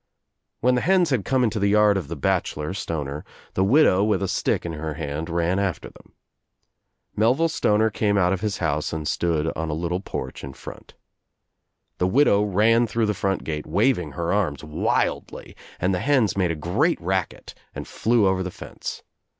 When the hens had come Into the yard of the bachelor, Stoner, the widow with a stick in her hand ran after them. Mel ville Stoner came out of his house and stood on a little porch In front. The widow ran through the front gate waving her arms wildly and the hens made a great racket and flew over the fence.